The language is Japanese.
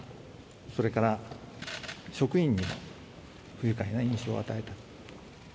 それから職員にも不愉快な印象を与えた。